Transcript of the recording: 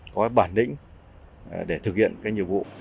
có bản định để thực hiện các nhiệm vụ